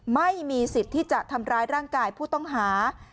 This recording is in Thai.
ไม่มีสิทธิ์ที่จะทำร้ายร่างกายผู้ต้องหา